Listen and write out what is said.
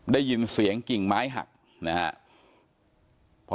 ได้ยินเสียงกิ่งไม้หักนะครับ